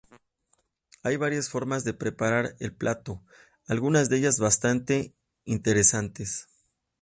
Hay varias formas de preparar el plato, algunas de ellas bastante interesantes.